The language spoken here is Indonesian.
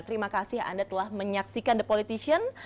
terima kasih anda telah menyaksikan the politician